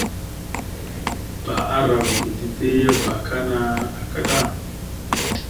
« Bba arav ge dide ya abakana akada! ».